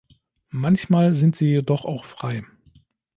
Manchmal sind sie jedoch auch frei.